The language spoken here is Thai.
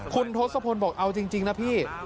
คุณทศพลบอกเอาจริงนะพี่